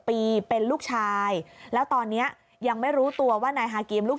ปีเป็นลูกชายแล้วตอนนี้ยังไม่รู้ตัวว่านายฮากีมลูก